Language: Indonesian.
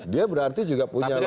dia berarti juga punya